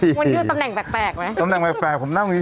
วันนี้ดูตำแหน่งแปลกแปลกไหมตำแหน่งแปลกแปลกผมนั่งอยู่นี่